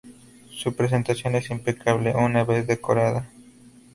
Su presentación es impecable una vez decorada.